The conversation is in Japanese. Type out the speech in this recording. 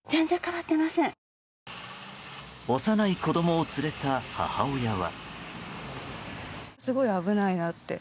幼い子供を連れた母親は。